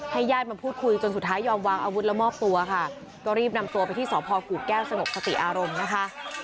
ญาติมาพูดคุยจนสุดท้ายยอมวางอาวุธแล้วมอบตัวค่ะก็รีบนำตัวไปที่สพกูแก้วสงบสติอารมณ์นะคะ